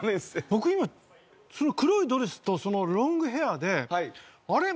僕今その黒いドレスとそのロングヘアであれ？